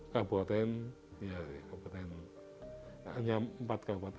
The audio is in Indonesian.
kabupaten ya kabupaten hanya empat kabupaten